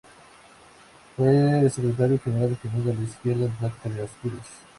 Fue secretario general regional de Izquierda Democrática en Asturias.